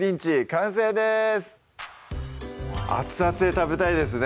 完成です熱々で食べたいですね